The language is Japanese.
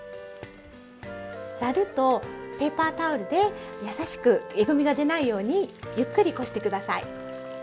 ざるとペーパータオルで優しくえぐみが出ないようにゆっくりこして下さい。